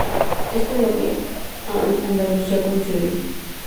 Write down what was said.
Esto en lo que a Andalucía concierne.